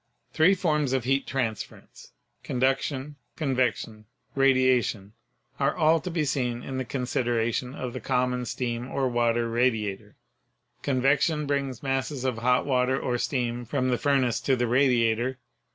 The three forms of heat transference — conduction, con vection, radiation — are all to be seen in the consideration of the common steam or water radiator. Convection brings masses of hot water or steam from the furnace to the radi ator.